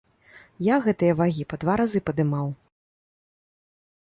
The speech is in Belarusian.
Я гэтыя вагі па два разы падымаў.